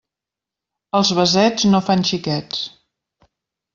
Els besets no fan xiquets.